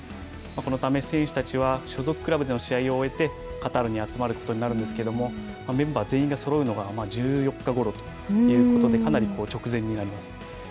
このため、選手たちは、所属クラブでの試合を終えてカタールに集まることになるんですけれども、メンバー全員がそろうのが１４日ごろということで、かなり直前になります。